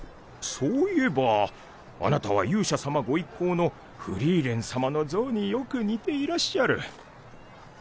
そういえばあなたは勇者様ご一行のフリーレン様の像によく似ていらっしゃる。